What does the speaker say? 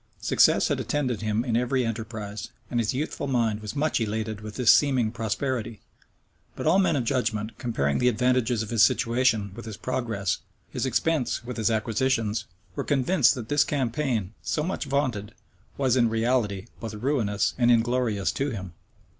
Success had attended him in every enterprise; and his youthful mind was much elated with this seeming prosperity, but all men of judgment, comparing the advantages of his situation with his progress, his expense with his acquisitions, were convinced that this campaign, so much vaunted, was, in reality, both ruinous and inglorious to him.